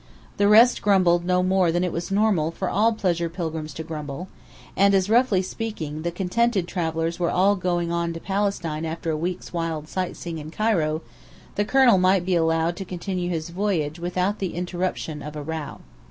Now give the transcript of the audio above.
The rest grumbled no more than it was normal for all pleasure pilgrims to grumble; and as, roughly speaking, the contented travellers were all going on to Palestine after a week's wild sightseeing in Cairo, the colonel might be allowed to continue his voyage without the interruption of a "row."